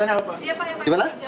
yang misalnya pak